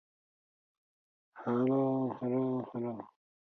Galba's reign did not last long and he was soon deposed by Marcus Otho.